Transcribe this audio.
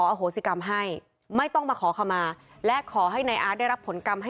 แล้วก็ได้คุยกับนายวิรพันธ์สามีของผู้ตายที่ว่าโดนกระสุนเฉียวริมฝีปากไปนะคะ